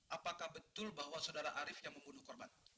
apakah betul bahwa saudara arief yang membunuh korban